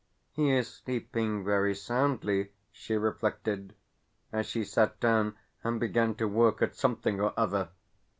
"He is sleeping very soundly," she reflected as she sat down and began to work at something or other.